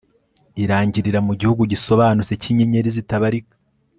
Irangirira mu gihugu gisobanutse cyinyenyeri zitabarika